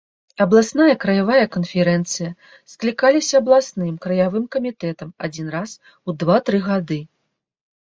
Абласная, краявая канферэнцыя склікаліся абласным, краявым камітэтам адзін раз у два-тры гады.